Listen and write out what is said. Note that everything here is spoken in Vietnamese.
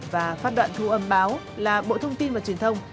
và phát đoạn thu âm báo là bộ thông tin và truyền thông